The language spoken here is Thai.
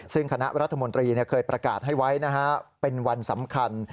ซึ่งคณะรัฐมนตรีเคยประกาศให้ไว้เป็นวันสำคัญ